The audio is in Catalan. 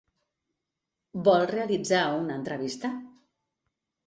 Vol realitzar una entrevista?